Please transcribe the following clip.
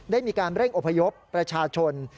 ได้มีการเร่งอพยพประชาชน